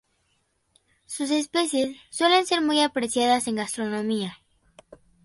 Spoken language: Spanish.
Sus especies suelen ser muy apreciadas en gastronomía.